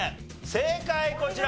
正解こちら。